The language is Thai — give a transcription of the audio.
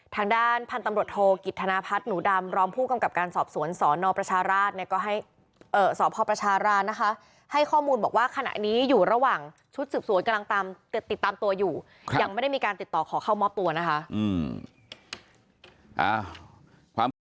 ทางด้านพันธุ์ตำรวจโทกิจธนพัฒน์หนูดำรองผู้กำกับการสอบสวนสนประชาราชเนี่ยก็ให้สพประชารานะคะให้ข้อมูลบอกว่าขณะนี้อยู่ระหว่างชุดสืบสวนกำลังติดตามตัวอยู่ยังไม่ได้มีการติดต่อขอเข้ามอบตัวนะคะ